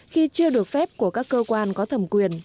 khi chưa được phép của các cơ quan có thẩm quyền